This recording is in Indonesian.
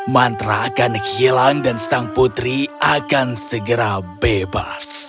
mantra akan hilang dan sang putri akan segera bebas